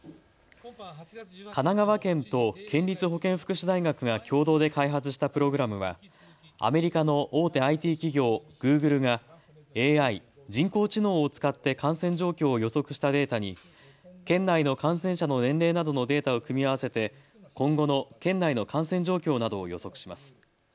神奈川県と県立保健福祉大学が共同で開発したプログラムはアメリカの大手ＩＴ企業、グーグルがＡＩ・人工知能を使って感染状況を予測したデータに県内の感染者の年齢などのデータを組み合わせて今後の県内の感染状況などを予測します。